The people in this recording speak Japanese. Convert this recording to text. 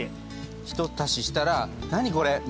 ひと足ししたら何これ！